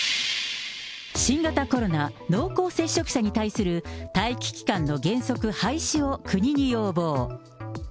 新型コロナ濃厚接触者に対する待機期間の原則廃止を国に要望。